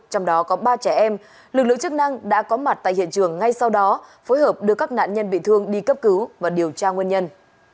trẻ em lực lượng chức năng đã có mặt tại hiện trường ngay sau đó phối hợp đưa các nạn nhân bị thương đi cấp cứu và điều tra nguyên nhân